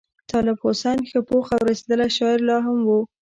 طالب حسین ښه پوخ او رسېدلی شاعر لا هم وو.